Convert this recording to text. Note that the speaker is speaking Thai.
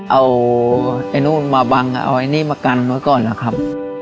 เอาไอ้นู่นมาบังเอาไอ้นี่มากันไว้ก่อนนะครับ